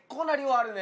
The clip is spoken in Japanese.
あるね。